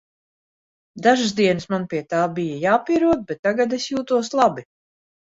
Dažas dienas man pie tā bija jāpierod, bet tagad es jūtos labi.